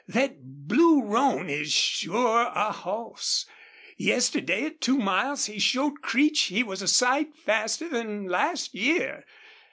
Thet Blue Roan is sure a hoss. Yesterday at two miles he showed Creech he was a sight faster than last year.